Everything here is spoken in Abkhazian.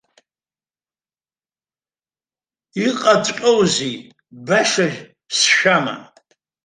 Иҟаҵәҟьоузеи, баша сшәама?!